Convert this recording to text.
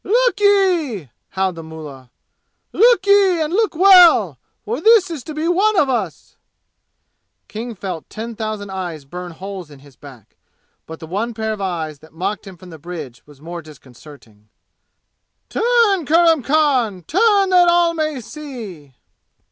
"Look ye!" howled the mullah. "Look ye and look well, for this is to be one of us!" King felt ten thousand eyes burn holes in his back, but the one pair of eyes that mocked him from the bridge was more disconcerting. "Turn, Kurram Khan! Turn that all may see!"